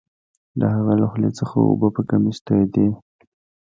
د هغه له خولې څخه اوبه په کمیس تویدې